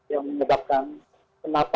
yang menyebabkan penata